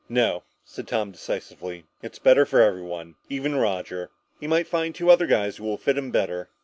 "No!" said Tom decisively. "It's better for everyone. Even Roger. He might find two other guys that will fit him better."